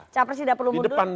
capres tidak perlu mundur